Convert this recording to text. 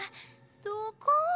どこ？